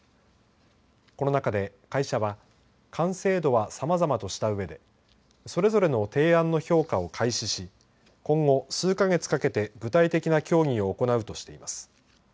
この中で会社は完成度は、さまざまとしたうえでそれぞれの提案の評価を開始し今後、数か月かけて具体的な協議を行うとしています。